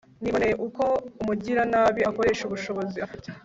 niboneye uko umugiranabi akoresha ubushobozi afite